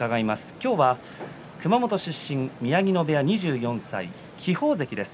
今日は熊本出身宮城野部屋２４歳輝鵬関です。